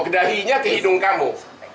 dahinya ke hidung saya